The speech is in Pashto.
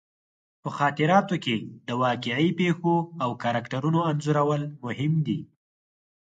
په خاطراتو کې د واقعي پېښو او کرکټرونو انځورول مهم دي.